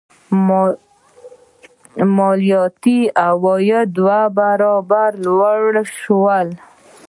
مالیاتي عواید دوه برابره لوړ شول.